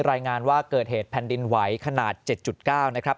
รายงานว่าเกิดเหตุแผ่นดินไหวขนาด๗๙นะครับ